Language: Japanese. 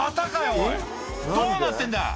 おいどうなってんだ！」